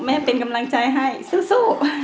แม่เป็นกำลังใจให้สู้